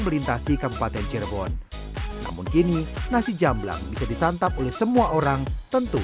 melintasi kabupaten cirebon namun kini nasi jamblang bisa disantap oleh semua orang tentu